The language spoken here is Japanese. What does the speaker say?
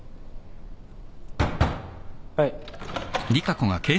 ・はい。